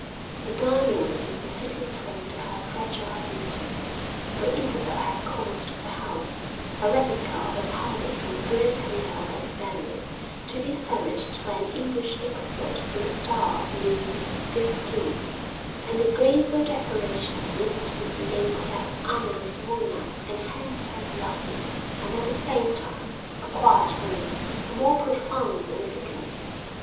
The dining room was a fitting frame to her fragile beauty, for Isabel had caused the house, a replica of a palace on the Grand Canal at Venice, to be furnished by an English expert in the style of Louis XV; and the graceful decoration linked with the name of that amorous monarch enhanced her loveliness and at the same time acquired from it a more profound significance.